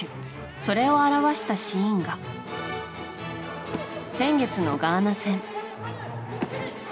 それを表したシーンが先月のガーナ戦。